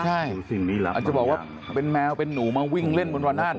ใช่อาจจะบอกว่าเล่นแมวเป็นหนูมาวิ่งเริ่มเตรียม